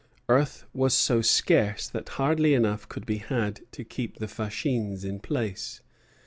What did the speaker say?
Earth was so scarce that hardly enough could be had to keep the fascines in place.